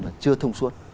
là chưa thông suốt